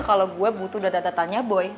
kalau gue butuh data datanya boy